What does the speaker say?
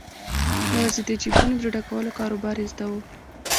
یوازې د جیبونو د ډکولو کاروبار یې زده وو.